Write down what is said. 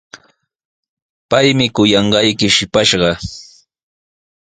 Paymi kuyanqayki shipashqa.